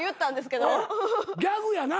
ギャグやな？